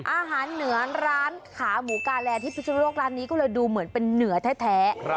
อาหารเหนือร้านขาหมูกาแลที่พิสุนโลกร้านนี้ก็เลยดูเหมือนเป็นเหนือแท้